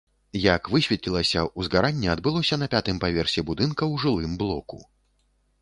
Як высветлілася, узгаранне адбылося на пятым паверсе будынка ў жылым блоку.